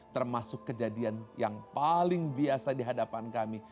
termasuk kejadian yang paling biasa di hadapan kami